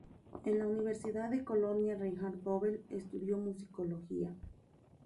En la universidad de Colonia, Reinhard Goebel, estudió musicología.